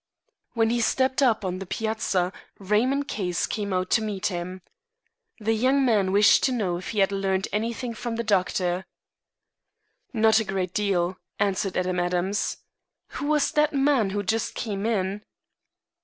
When he stepped up on the piazza Raymond Case came out to meet him. The young man wished to know if he had learned anything from the doctor. "Not a great deal," answered Adam Adams. "Who was that man who just came in?"